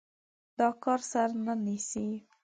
دا کار سر نه نيسي.